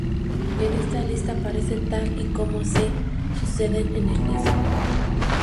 En esta lista aparece tal y como se suceden en el disco.